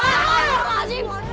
apa yang wak jum